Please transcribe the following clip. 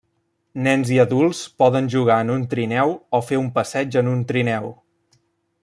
Nens i adults poden jugar en un trineu o fer un passeig en un trineu.